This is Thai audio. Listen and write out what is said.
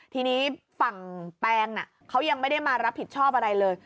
ทีนี้ฝั่งแปงเขายังไม่ได้มารับผิดชอบอะไรเลย